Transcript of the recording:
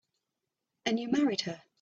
And you married her.